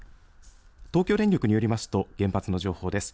東京電力によりますと原発の情報です。